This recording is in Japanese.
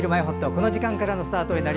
この時間からのスタートです。